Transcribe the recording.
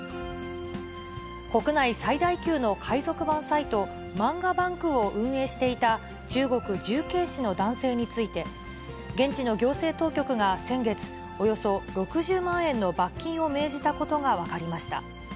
国内最大級の海賊版サイト、漫画ＢＡＮＫを運営していた中国・重慶市の男性について、現地の行政当局が先月、およそ６０万円の罰金を命じたことが分かりました。